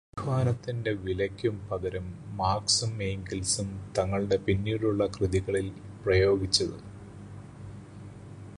“അദ്ധ്വാനത്തിന്റെ വിലയ്ക്കും പകരം മാർക്സും എംഗൽസും തങ്ങളുടെ പിന്നീടുള്ള കൃതികളിൽ പ്രയോഗിച്ചതു്.